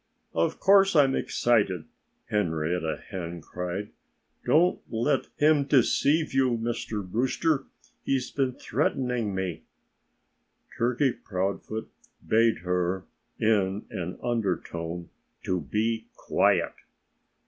"Of course I'm excited!" Henrietta Hen cried. "Don't let him deceive you, Mr. Rooster! He's been threatening me!" Turkey Proudfoot bade her, in an undertone, to be quiet.